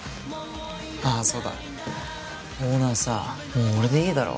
あっそうだオーナーさもう俺でいいだろ？